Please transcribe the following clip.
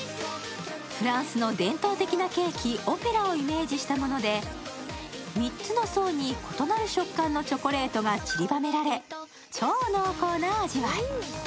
フランスの伝統的なケーキ、オペラをイメージしたもので、３つの層に異なる食感のチョコレートが散りばめられ、超濃厚な味わい。